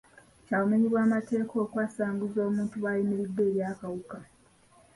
Kya bumenyi bw'amateeka okwasanguza omuntu bw'ayimiridde eri akawuka.